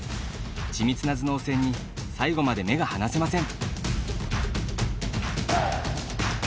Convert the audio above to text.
緻密な頭脳戦に最後まで目が離せません。